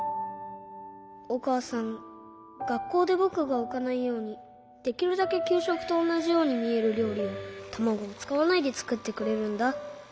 おかあさんがっこうでぼくがうかないようにできるだけきゅうしょくとおなじようにみえるりょうりをたまごをつかわないでつくってくれるんだ。